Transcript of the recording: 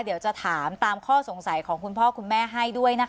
เดี๋ยวจะถามตามข้อสงสัยของคุณพ่อคุณแม่ให้ด้วยนะคะ